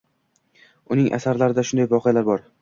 Uning asarlarida shunday voqealar bor.